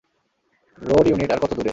Road unit আর কত দূরে?